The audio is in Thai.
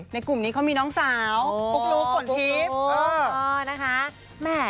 ในกลุ่มนี้เขามีน้องสาวปลุกรู้กดทิพย์